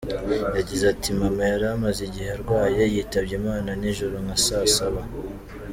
Yagize ati “Mama yari amaze igihe arwaye, yitabye Imana nijoro nka saa saba.